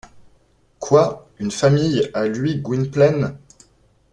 Quoi! une famille, à lui Gwynplaine !